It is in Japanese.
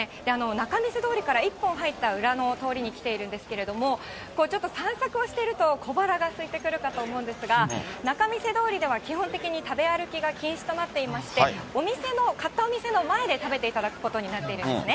仲見世通りから一本入った裏の通りに来ているんですけれども、ちょっと散策をしていると小腹がすいてくるかと思うんですが、仲見世通りでは基本的に食べ歩きが禁止となっていまして、お店の、買ったお店の前で食べていただくことになっているんですね。